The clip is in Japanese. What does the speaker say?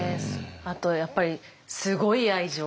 あとやっぱりすごい愛情。